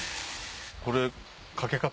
これ。